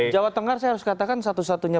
jawa tengah saya harus katakan satu satunya